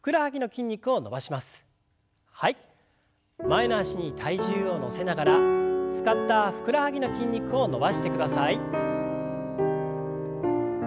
前の脚に体重を乗せながら使ったふくらはぎの筋肉を伸ばしてください。